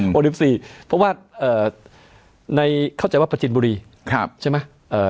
๑๔เพราะว่าในเข้าใจว่าประจินบุรีใช่ไหม